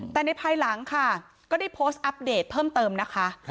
แต่ในภายหลังค่ะก็ได้โพสต์อัปเดตเพิ่มเติมนะคะ